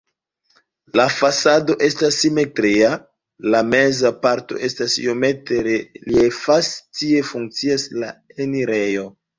La fasado estas simetria, la meza parto estas iomete reliefas, tie funkcias la enirejo.